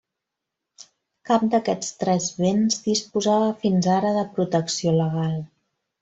Cap d'aquests tres béns disposava fins ara de protecció legal.